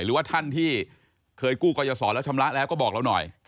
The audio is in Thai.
หรือว่าท่านที่เคยกู้กรยาศรแล้วชำระแล้วก็บอกเราหน่อย